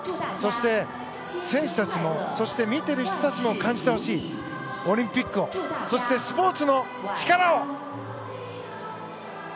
そして選手たちもそして見ている人たちも感じてほしいオリンピックをそして、スポーツの力を！